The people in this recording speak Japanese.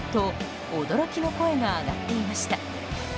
驚きの声が上がっていました。